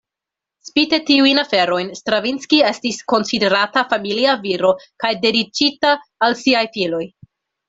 Spite tiujn aferojn, Stravinski estis konsiderata familia viro kaj dediĉita al siaj filoj.